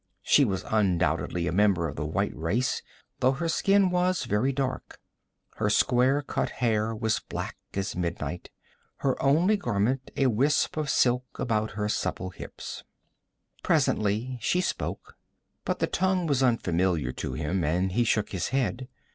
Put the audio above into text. She was undoubtedly a member of a white race, though her skin was very dark. Her square cut hair was black as midnight, her only garment a wisp of silk about her supple hips. Presently she spoke, but the tongue was unfamiliar to him, and he shook his head.